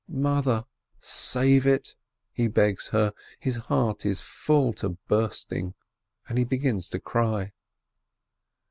"Mother, save it!" he begs her, his heart is full to bursting, and he begins to cry.